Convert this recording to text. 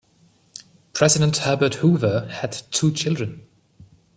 President Herbert Hoover had two children.